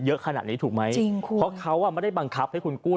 เยอะขนาดนี้ถูกไหมเพราะเขาไม่ได้บังคับให้คุณกู้